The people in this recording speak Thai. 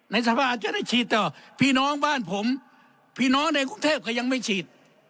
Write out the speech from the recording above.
ในสภาอาจจะได้ฉีดต่อพี่น้องบ้านผมพี่น้องในกรุงเทพก็ยังไม่ฉีด